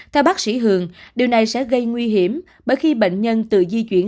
theo bác sĩ hường điều này sẽ gây nguy hiểm bởi khi bệnh nhân tự di chuyển